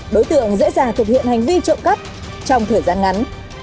đối tượng dễ dàng thực hiện hành vi trộm cắp trong thời gian ngắn